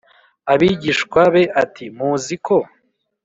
abigishwa be ati muziko